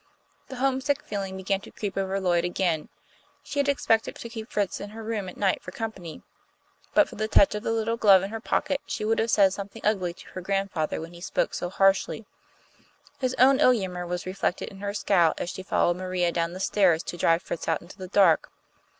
The homesick feeling began to creep over Lloyd again. She had expected to keep Fritz in her room at night for company. But for the touch of the little glove in her pocket, she would have said something ugly to her grandfather when he spoke so harshly. His own ill humour was reflected in her scowl as she followed Maria down the stairs to drive Fritz out into the dark.